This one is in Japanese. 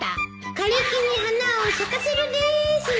枯れ木に花を咲かせるです